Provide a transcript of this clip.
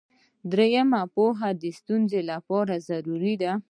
دریمه پوهه د ستونزې لپاره ضروري وي.